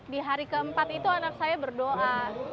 di hari keempat itu anak saya berdoa